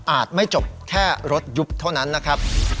ไม่จบแค่รถยุบเท่านั้นนะครับ